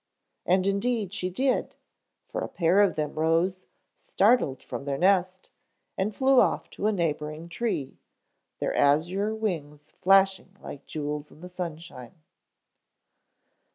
And indeed she did, for a pair of them rose, startled from their nest, and flew off to a neighboring tree, their azure wings flashing like jewels in the sunshine.